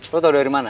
lo tau dari mana